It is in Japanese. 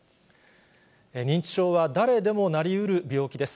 認知症は誰でもなりうる病気です。